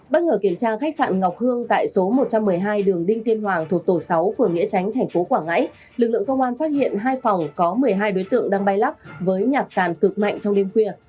bất ngờ kiểm tra khách sạn ngọc hương tại số một trăm một mươi hai đường đinh tiên hoàng thuộc tổ sáu phường nghĩa chánh tp quảng ngãi lực lượng công an phát hiện hai phòng có một mươi hai đối tượng đang bay lắp với nhà sàn cực mạnh trong đêm khuya